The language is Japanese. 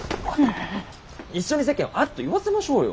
一緒に世間をあっと言わせましょうよ。